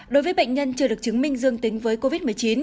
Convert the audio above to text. đối với bệnh nhân chưa được chứng minh dương tính với covid một mươi chín